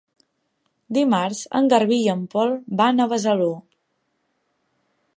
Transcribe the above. Dimarts en Garbí i en Pol van a Besalú.